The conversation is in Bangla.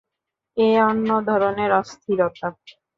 এ অন্য ধরনের অস্থিরতা।